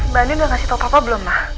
mbak nin udah ngasih tau papa belum ma